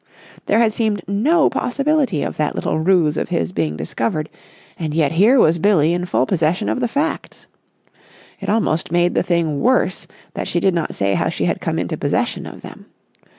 There had seemed no possibility of that little ruse of his being discovered, and yet here was Billie in full possession of the facts. It almost made the thing worse that she did not say how she had come into possession of them.